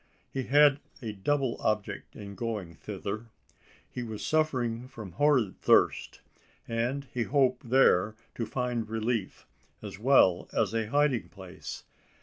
He had a double object in going thither. He was suffering from horrid thirst; and he hoped there to find relief, as well as a hiding place.